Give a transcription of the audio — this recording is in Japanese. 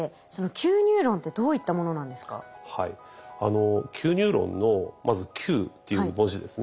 Ｑニューロンのまず「Ｑ」っていう文字ですね